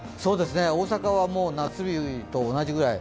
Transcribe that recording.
大阪は夏日と同じくらい。